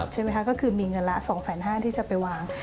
ใช่ไหมคะก็คือมีเงินละ๒๕๐๐บาทที่จะไปวาง